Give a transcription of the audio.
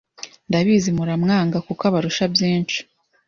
ndabizi muramwanga kuko abarusha byinshi,